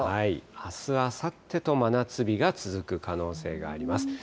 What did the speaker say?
あす、あさってと真夏日が続く可能性があります。